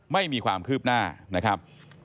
ไม่มีความคืบหน้านะครับ